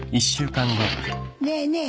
ねえねえ